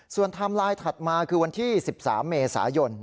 ส่วนไทม์ไลน์ถัดมาคือวันที่๑๓เมษายน